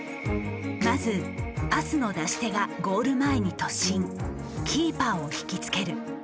まずパスの出し手がゴール前に突進キーパーを引き付ける。